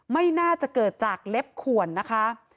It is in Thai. ไม่น่าจะเกิดจากเล็บขวนนะคะ